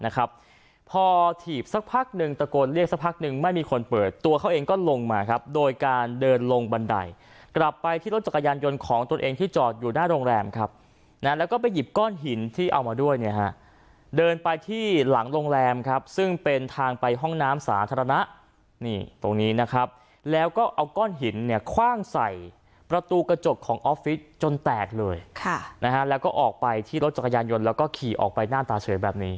ครับพอถีบสักพักหนึ่งตะโกนเรียกสักพักหนึ่งไม่มีคนเปิดตัวเขาเองก็ลงมาครับโดยการเดินลงบันไดกลับไปที่รถจักรยานยนต์ของตัวเองที่จอดอยู่หน้าโรงแรมครับนะแล้วก็ไปหยิบก้อนหินที่เอามาด้วยเนี่ยฮะเดินไปที่หลังโรงแรมครับซึ่งเป็นทางไปห้องน้ำสาธารณะนี่ตรงนี้นะครับแล้วก็เอาก้อนหินเนี่ยคว่